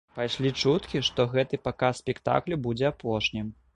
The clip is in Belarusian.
Пайшлі чуткі, што гэты паказ спектаклю будзе апошнім.